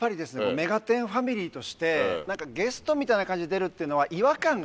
目がテンファミリーとして何かゲストみたいな感じで出るっていうのは違和感が。